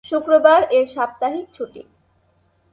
শুক্রবার এর সাপ্তাহিক ছুটি।